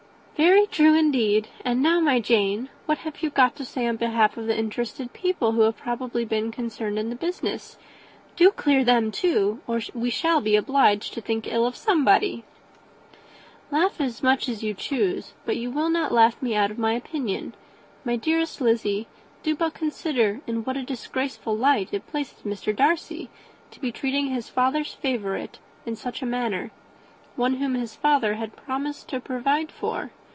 "Very true, indeed; and now, my dear Jane, what have you got to say in behalf of the interested people who have probably been concerned in the business? Do clear them, too, or we shall be obliged to think ill of somebody." "Laugh as much as you choose, but you will not laugh me out of my opinion. My dearest Lizzy, do but consider in what a disgraceful light it places Mr. Darcy, to be treating his father's favourite in such a manner, one whom his father had promised to provide for.